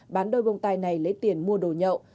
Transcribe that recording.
bán đôi bông tai này lấy tiền mua đồ nhậu